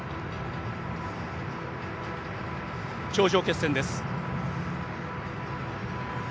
頂上決戦です。